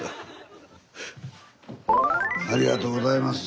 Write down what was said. ありがとうございます。